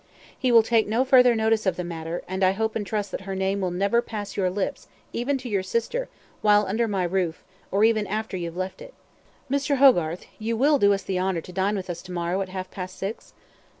He will take no further notice of the matter; and I hope and trust that her name will never pass your lips even to your sister, while under my roof, or even after you have left it. Mr. Hogarth, you will do us the honour to dine with us to morrow, at half past six?